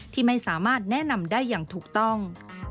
ที่ไม่สามารถแนะนำได้อย่างถูกต้อง